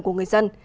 của người dân